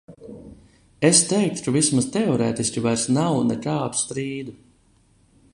Es teiktu, ka vismaz teorētiski vairs nav nekādu strīdu.